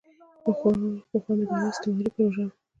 پخوا ملي دولت استعماري پروژه وه.